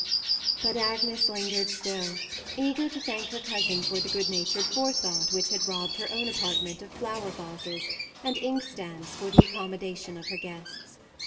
But Agnes lingered still, eager to thank her cousin for the good natured forethought which had robbed her own apartment of flower vases, and inkstand for the accommodation of her guests.